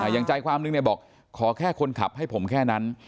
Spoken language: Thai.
อย่างใจความนึงบอกขอแค่คนขับให้ผมแค่นั้น